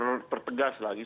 nanti akan kita pertegas lagi